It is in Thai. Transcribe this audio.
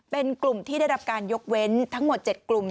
เป็นกลุ่มที่ได้รับการยกเว้นทั้งหมด๗กลุ่ม